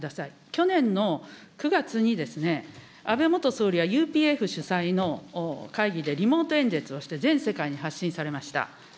去年の９月に、安倍元総理はＵＰＦ主催の会議でリモート演説をして、全世界に発信されました。